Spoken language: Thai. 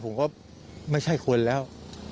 ผมก็ไม่ใช่คนแล้ว